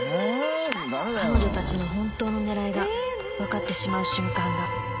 彼女たちの本当の狙いがわかってしまう瞬間が